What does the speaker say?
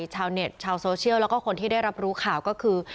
ชาวเน็ตชาวโซเชียลแล้วก็คนที่ได้รับรู้ข่าวก็คือ